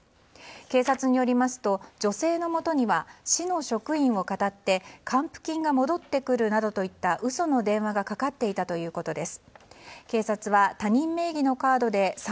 警察によりますと女性のもとには市の職員をかたって還付金が戻ってくるなどといった嘘の電話がかかっていたということです。